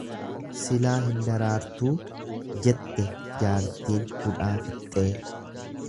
"""Silaa hin daraartuu"" jette jaartiin hudhaa fixxee."